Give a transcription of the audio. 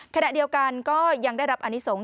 ขณะเดียวกันก็ยังได้รับอนิสงฆ